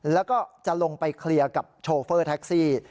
แล้วก็จะลงไปเคลียร์กับโชเฟอร์แท็กซี่